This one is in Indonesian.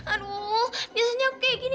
aduuh biasanya aku kayak gini